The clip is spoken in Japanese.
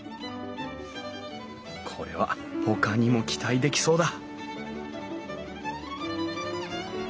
これはほかにも期待できそうだ！